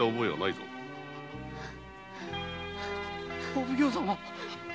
お奉行様。